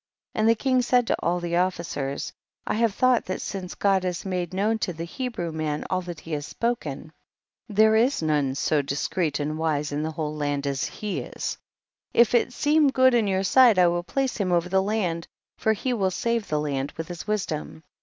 8. And the king said to all the of ficers, I have thought that since God has made known to the Hebrew man all that he has spoken, there is none so discreet and wise in the whole land as he is ; if it seem good in your sight I will place him over the land, for he will save the land with his wisdom.